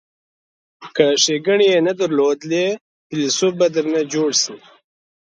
که ښیګڼې یې نه درلودلې فیلسوف به درنه جوړ شي.